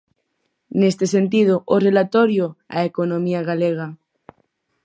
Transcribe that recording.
Neste sentido, o relatorio "A economía galega".